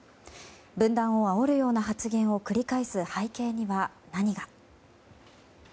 分断をあおるような発言を繰り返す背景には、何が。